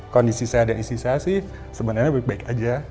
kondisi saya dan istri saya sih sebenarnya baik baik aja